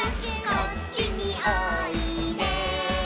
「こっちにおいで」